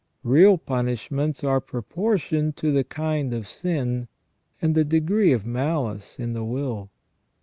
Real punishments are proportioned to the kind of sin, and the degree of malice in the will.